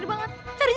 tenang tenang tenang